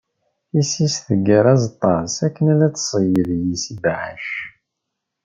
Tisist teggar azeṭṭa-s akken ad d-tseyyeḍ yess ibɛac.